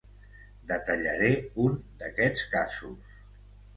Detallaré un d’aquests casos.